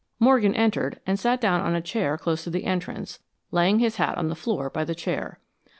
Morgan entered and sat down on a chair close to the entrance, laying his hat on the floor by the chair.